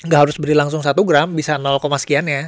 gak harus beri langsung satu gram bisa sekian ya